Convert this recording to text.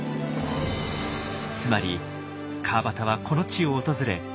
つまり川端はこの地を訪れ